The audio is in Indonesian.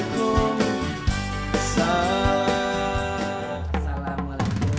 bukan aneh bukan aneh